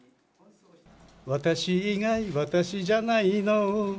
私以外、私じゃないの。